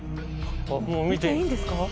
見ていいんですか？